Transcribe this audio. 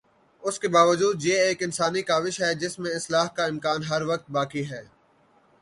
اس کے باوجود یہ ایک انسانی کاوش ہے جس میں اصلاح کا امکان ہر وقت باقی ہے۔